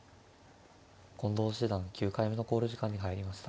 近藤七段９回目の考慮時間に入りました。